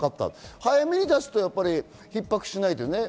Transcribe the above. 早めに出すと逼迫しないという。